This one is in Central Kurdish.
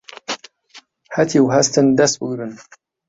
هەتیو هەستن دەس بگرن